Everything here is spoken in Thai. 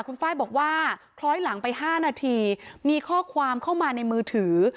คุณไฟล์บอกว่าคล้อยหลังไป๕นาทีมีข้อความเข้ามาในมือถือ